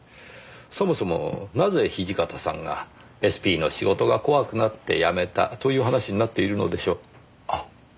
そもそもなぜ土方さんがＳＰの仕事が怖くなって辞めたという話になっているのでしょう？